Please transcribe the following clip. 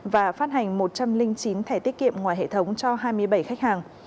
và phát hành một trăm linh chín thẻ tiết kiệm ngoài hệ thống cho hai mươi bảy khách hàng